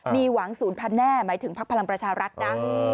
มีหวังศูนย์พันแน่หมายถึงพักพลังประชารัฐนะ